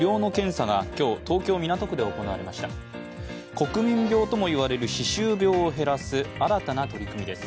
国民病とも言われる歯周病を減らす新たな取り組みです。